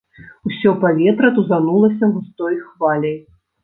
Усё паветра тузанулася густой хваляй.